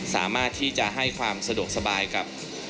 สามารถที่จะให้ความสะดวกสบายกับ